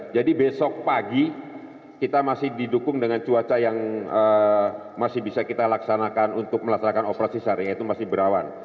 jadi besok pagi kita masih didukung dengan cuaca yang masih bisa kita laksanakan untuk melaksanakan operasi sehari yaitu masih berawan